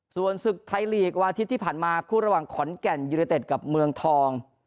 ส่วนศึกไทยลีกวันอาทิตย์ที่ผ่านมาคู่ระหว่างขอนแก่นยูเนเต็ดกับเมืองทอง